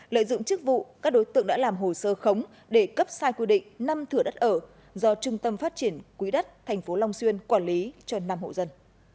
lợi dụng chức vụ các đối tượng đã làm hồ sơ khống để cấp sai quy định năm thửa đất ở do trung tâm phát triển quỹ đất tp long xuyên quản lý cho năm hộ dân